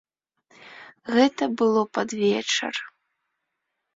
Гэта было пад вечар.